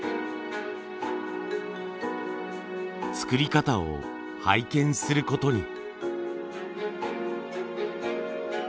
作り方を拝見することに。